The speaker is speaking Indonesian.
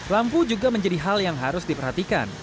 lampu juga menjadi hal yang harus diperhatikan